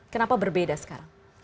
kenapa berbeda sekarang